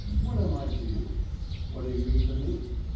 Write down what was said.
What am I to you? what are you to me?